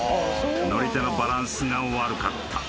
［乗り手のバランスが悪かった］